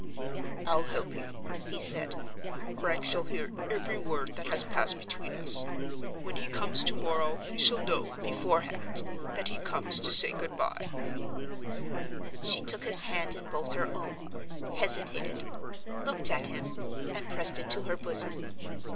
"I'll help you," he said. "Frank shall hear every word that has passed between us. When he comes to morrow he shall know, beforehand, that he comes to say Good by." She took his hand in both her own—hesitated—looked at him—and pressed it to her bosom.